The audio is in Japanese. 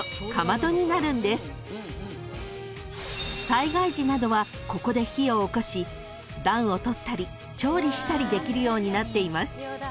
［災害時などはここで火をおこし暖をとったり調理したりできるようになっています］